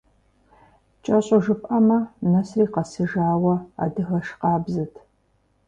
КӀэщӀу жыпӀэмэ, нэсри къэсыжауэ адыгэш къабзэт.